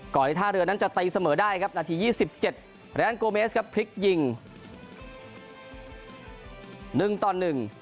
ก่อนที่ท่าเรือนั้นจะตีเสมอได้ครับนาที๒๗แล้วแรนโกเมสครับพลิกยิง๑ตอน๑